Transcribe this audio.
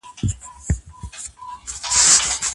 که په تدریس کي لابراتوار کارول کېږي، ناسم فهم نه پاتې کېږي.